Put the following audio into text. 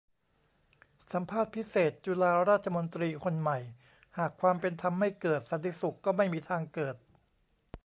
สัมภาษณ์พิเศษ จุฬาราชมนตรีคนใหม่ : หากความเป็นธรรมไม่เกิด สันติสุขก็ไม่มีทางเกิด